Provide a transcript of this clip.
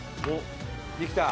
できた！